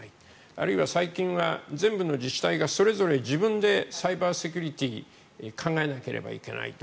あるいは最近は全部の自治体がそれぞれ自分でサイバーセキュリティーを考えなきゃいけないと。